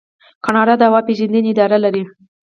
کاناډا د هوا پیژندنې اداره لري.